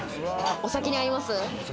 お酒に合います。